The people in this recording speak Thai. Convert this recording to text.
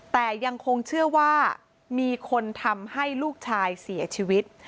แต่ยังคงเชื่อว่ามีคนทำให้ลูกชายเสียชีวิต